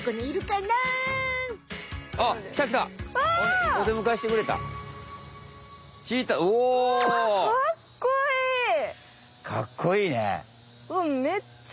かっこいいねえ。